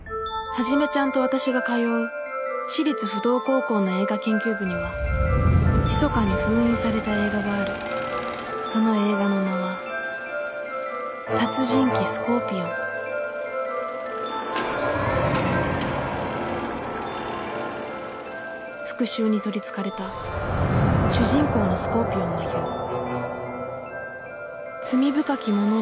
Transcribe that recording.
はじめちゃんと私が通う私立不動高校の映画研究部にはひそかに封印された映画があるその映画の名は『殺人鬼スコーピオン』復讐に取りつかれた主人公のスコーピオンは言う「罪深キ者